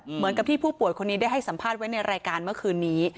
เหมือนกับที่ผู้ป่วยคนนี้ได้ให้สัมภาษณ์ไว้ในรายการเมื่อคืนนี้